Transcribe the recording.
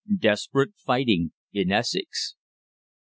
DESPERATE FIGHTING IN ESSEX.